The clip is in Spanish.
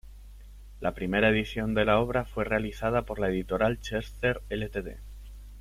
La primera edición de la obra fue realizada por la editorial Chester Ltd.